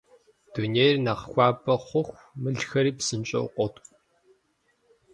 Дунейр нэхъ хуабэ хъуху, мылхэри псынщӀэу къоткӀу.